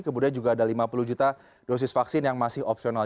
kemudian juga ada lima puluh juta dosis vaksin yang masih opsional